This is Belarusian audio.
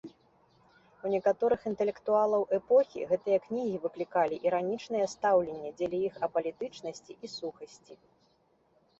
У некаторых інтэлектуалаў эпохі гэтыя кнігі выклікалі іранічнае стаўленне дзеля іх апалітычнасці і сухасці.